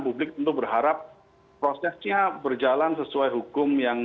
publik tentu berharap prosesnya berjalan sesuai hukum yang